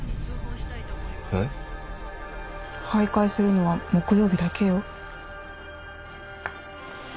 えっ？徘徊するのは木曜日だけよ。